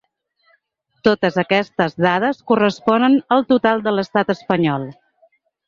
Totes aquestes dades corresponen al total de l’estat espanyol.